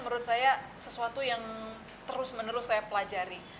menurut saya sesuatu yang terus menerus saya pelajari